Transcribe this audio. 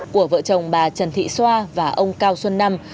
của vợ chồng bà trần thị xoa và ông cao xuân năm